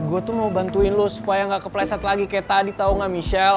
gue tuh mau bantuin lo supaya nggak kepleset lagi kayak tadi tau gak michelle